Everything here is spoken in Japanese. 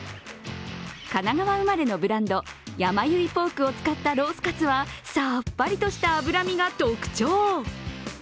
神奈川生まれのブランド、やまゆりポークを使ったロースカツはさっぱりとした脂身が特徴。